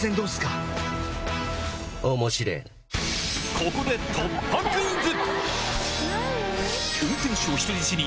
ここで突破クイズ！